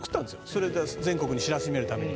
それを全国に知らしめるために。